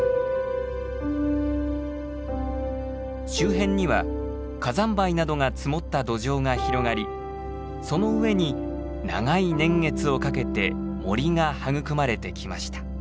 周辺には火山灰などが積もった土壌が広がりその上に長い年月をかけて森が育まれてきました。